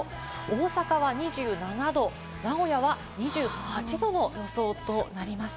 大阪は２７度、名古屋は２８度の予想となりました。